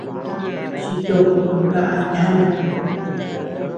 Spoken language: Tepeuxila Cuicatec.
Chito kaʼa yanam.